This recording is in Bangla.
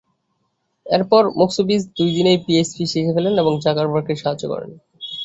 এরপর মস্কোভিজ দুই দিনেই পিএইচপি শিখে ফেলেন এবং জাকারবার্গকে সাহায্য করেন।